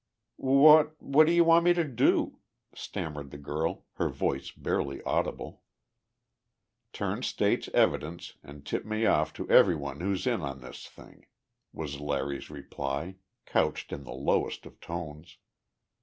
"What what do you want me to do?" stammered the girl, her voice barely audible. "Turn state's evidence and tip me off to everyone who's in on this thing," was Larry's reply, couched in the lowest of tones.